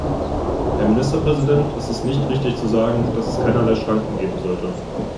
Herr Ministerpräsident, es ist nicht richtig zu sagen, dass es keinerlei Schranken geben sollte.